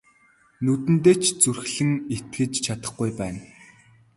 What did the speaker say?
Нүдэндээ ч зүрхлэн итгэж чадахгүй байна.